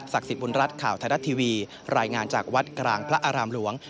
สิทธิบุญรัฐข่าวไทยรัฐทีวีรายงานจากวัดกลางพระอารามหลวง